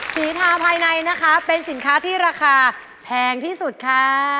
สีทาภายในนะคะเป็นสินค้าที่ราคาแพงที่สุดค่ะ